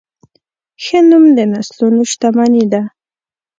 ښه نوم د نسلونو شتمني ده.